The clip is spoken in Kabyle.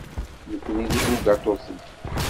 Nekkni d ibugaṭuten.